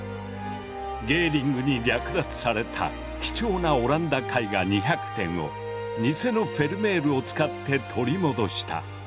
ゲーリングに略奪された貴重なオランダ絵画２００点をニセのフェルメールを使って取り戻した。